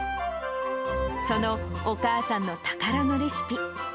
そのお母さんの宝のレシピ。